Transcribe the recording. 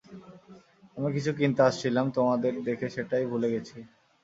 আমি কিছু কিনতে আসছিলাম তোমাদের দেখে সেটা ভুলেই গেছি।